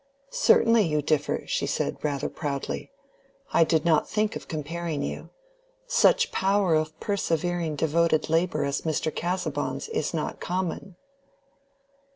"Certainly you differ," she said, rather proudly. "I did not think of comparing you: such power of persevering devoted labor as Mr. Casaubon's is not common."